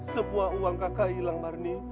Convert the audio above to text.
sebuah uang kakak hilang marni